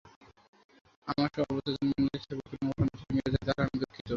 আমার অবচেতন মনে ছবির কোনো ঘটনা যদি মিলে যায়, তাহলে আমি দুঃখিত।